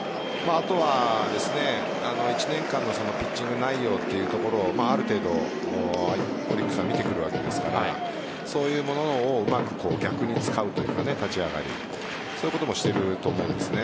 あとは１年間のピッチング内容というところもある程度、オリックスは見てくるわけですからそういうものをうまく逆に使うというかそういうこともしていると思うんです。